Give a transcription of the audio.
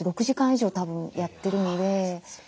６時間以上たぶんやってるので。